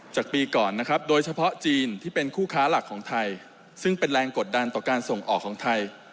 จากปีก่อนนะครับโดยเฉพาะจีนที่เป็นคู่ค้าหลักของไทยซึ่งเป็นแรงกดดันต่อการส่งออกของไทย